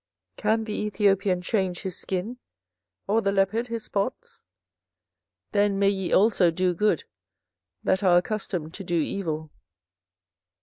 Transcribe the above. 24:013:023 Can the Ethiopian change his skin, or the leopard his spots? then may ye also do good, that are accustomed to do evil.